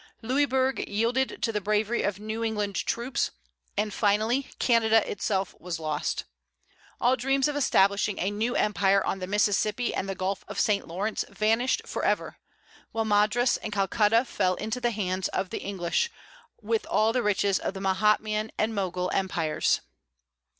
Louisbourg yielded to the bravery of New England troops, and finally Canada itself was lost. All dreams of establishing a new empire on the Mississippi and the Gulf of St. Lawrence vanished for ever, while Madras and Calcutta fell into the hands of the English, with all the riches of Mahometan and Mogul empires.